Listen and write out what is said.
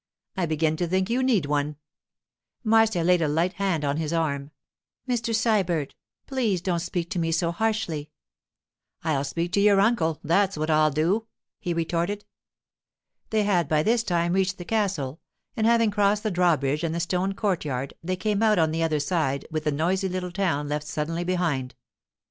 'I begin to think you need one!' Marcia laid a light hand on his arm. 'Mr. Sybert, please don't speak to me so harshly.' 'I'll speak to your uncle—that's what I'll do,' he retorted. They had by this time reached the castle, and having crossed the drawbridge and the stone courtyard, they came out on the other side, with the noisy little town left suddenly behind.